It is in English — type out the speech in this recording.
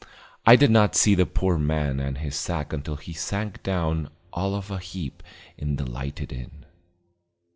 I did not see the poor old man and his sack until he sank down all of a heap in the lighted inn.